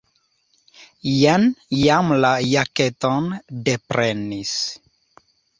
Jen jam la jaketon deprenis.